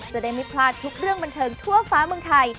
จะได้ไม่พลาดทุกเรื่องบันเทิงทั่วฟ้าเมืองไทย